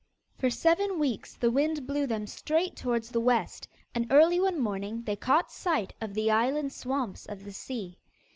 For seven weeks the wind blew them straight towards the west, and early one morning they caught sight of the island swamps of the sea.